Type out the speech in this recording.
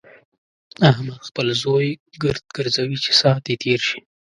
احمد خپل زوی ګرد ګرځوي چې ساعت يې تېر شي.